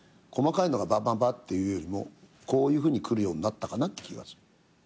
細かいのがバババっていうよりもこういうふうに来るようになったかなって気がする。